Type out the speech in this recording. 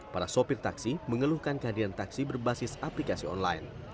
para sopir taksi mengeluhkan kehadiran taksi berbasis aplikasi online